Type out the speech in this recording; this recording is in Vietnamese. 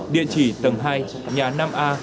địa chỉ tầng hai nhà năm a